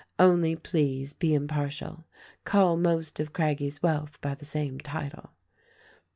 Only, please, be impartial : call most of Craggie's wealth by the same title.